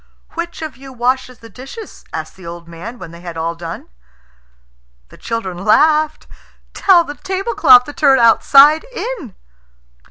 "Which of you washes the dishes?" asked the old man, when they had all done. The children laughed. "Tell the tablecloth to turn outside in."